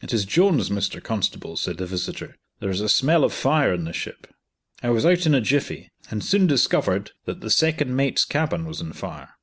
"It is Jones, Mr. Constable," said the visitor, "there is a smell of fire in the ship." I was out in a jiffy, and soon discovered that the second mate's cabin was on fire.